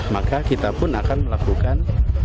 maka kita pun akan melakukan